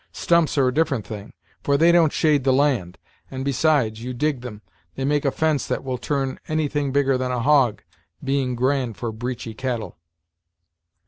Stumps are a different thing, for they don't shade the land; and, besides, you dig them they make a fence that will turn anything bigger than a hog, being grand for breachy cattle."